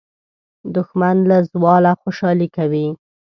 دښمن له زواله خوشالي کوي